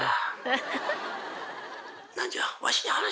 「何じゃ？」